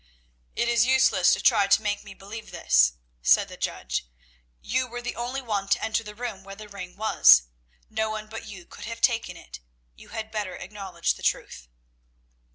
"It is useless to try to make me believe this," said the judge. "You were the only one to enter the room where the ring was. No one but you could have taken it. You had better acknowledge the truth."